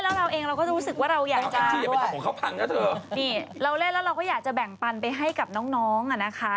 เวลาเล่นเราเองเราก็จะรู้สึกว่าเราอยากจะแล้วเราก็อยากจะแบ่งปันไปให้กับน้องอ่ะนะคะ